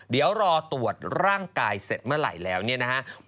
เดี๋ยวรอตรวจร่างกายเสร็จเมื่อไหร่แล้วเนี่ยนะครับ